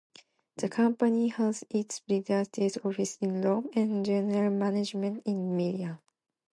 The company has its registered office in Rome and general management in Milan.